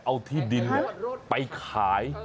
เอาที่ดินไปขาย